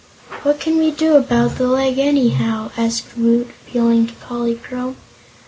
"What can we do about that leg, anyhow?" asked Woot, appealing to Polychrome.